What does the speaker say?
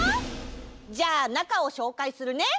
じゃあなかをしょうかいするね！